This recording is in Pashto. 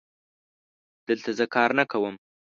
دلته زه کار نه کوم